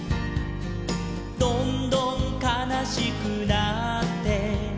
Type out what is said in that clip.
「どんどんかなしくなって」